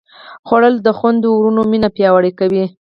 خوړل د خویندو وروڼو مینه پیاوړې کوي